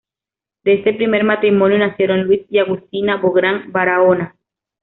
De este primer matrimonio nacieron Luis y Agustina Bográn Barahona.